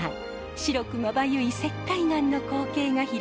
白くまばゆい石灰岩の光景が広がります。